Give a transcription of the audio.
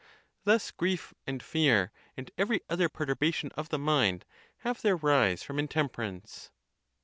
Thus, grief and fear, and every other perturbation of the mind, liave their rise from intemperance.